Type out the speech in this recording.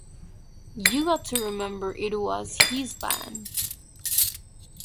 You got to remember, it was "his" band.